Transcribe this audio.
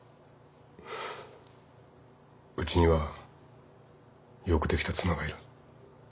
うちにはよくできた妻がいる。